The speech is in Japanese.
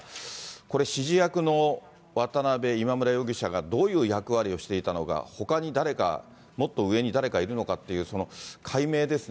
これ、指示役の渡辺、今村容疑者がどういう役割をしていたのか、ほかに誰か、もっと上に誰かいるのかっていう、その解明ですね。